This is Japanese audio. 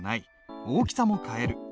大きさも変える。